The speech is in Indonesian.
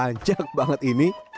banyak banget ini